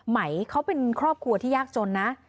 ไหมเขาเป็นครอบครัวที่ยากจนนะ